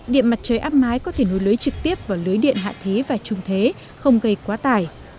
điện mặt trời áp mái có thể nối lưới trực tiếp vào lưới điện hạ thế và trung thế không gây quá tải